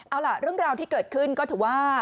เอาล่ะเรื่องราวที่เกิดขึ้นก็ถือว่า